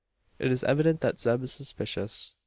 It is evident that Zeb is suspicious.